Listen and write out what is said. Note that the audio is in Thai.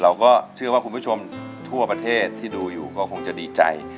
เราก็เชื่อว่าคุณผู้ชมทั่วประเทศที่ดูอยู่ก็คงจะดีใจ